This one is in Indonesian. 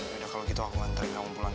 yaudah kalau gitu aku nganterin kamu pulang